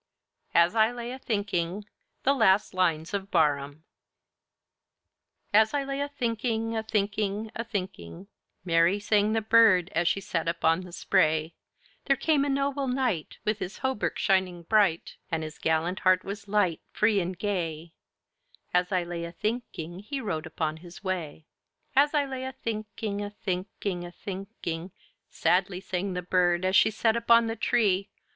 AS I LAYE A THYNKYNGE THE LAST LINES OF BARHAM As I laye a thynkynge, a thynkynge, a thynkynge, Merrie sang the Birde as she sat upon the spraye; There came a noble Knighte, With his hauberke shynynge brighte, And his gallant heart was lyghte, Free and gaye; As I laye a thynkynge, he rode upon his waye. As I laye a thynkynge, a thynkynge, a thynkynge, Sadly sang the Birde as she sat upon the tree!